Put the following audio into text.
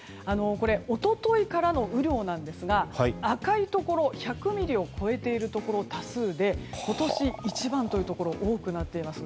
一昨日からの雨量なんですが赤いところ１００ミリを超えているところ多数で、今年一番というところが多くなっています。